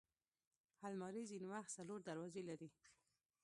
الماري ځینې وخت څلور دروازې لري